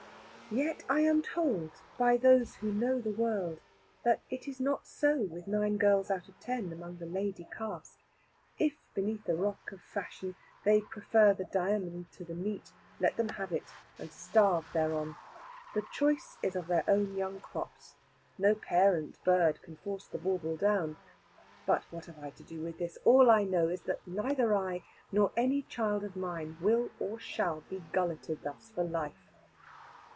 Yet I am told, by those who know the world, that it is not so with nine girls out of ten among the lady caste. If, beneath the roc of fashion, they prefer the diamond to the meat, let them have it, and starve thereon. The choice is of their own young crops. No parent bird can force the bauble down. But what have I to do with this? All I know is that neither I, nor any child of mine, will or shall be gulleted thus for life.